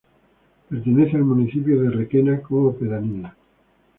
Pertenece al municipio de Requena como pedanía.